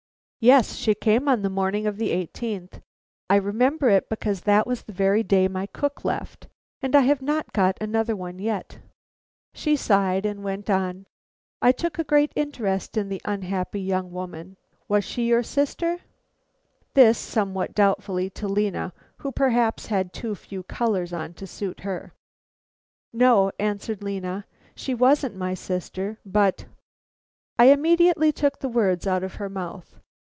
"Yes; she came on the morning of the eighteenth. I remember it because that was the very day my cook left, and I have not got another one yet." She sighed and went on. "I took a great interest in that unhappy young woman Was she your sister?" This, somewhat doubtfully, to Lena, who perhaps had too few colors on to suit her. "No," answered Lena, "she wasn't my sister, but " I immediately took the words out of her mouth.